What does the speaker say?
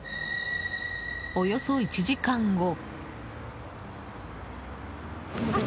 およそ１時間後。